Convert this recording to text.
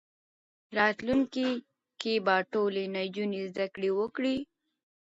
راتلونکي کې به ټولې نجونې زدهکړې وکړي.